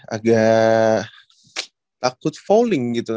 agak takut falling gitu